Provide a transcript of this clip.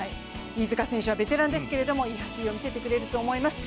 飯塚選手はベテランですけれども、いい走りを見せてくれると思います。